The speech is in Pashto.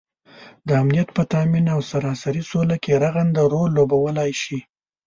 دامنیت په تآمین او سراسري سوله کې رغنده رول لوبوالی شي